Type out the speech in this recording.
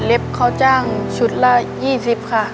เล็บเค้าจ้างชุดละ๒๐ค่ะ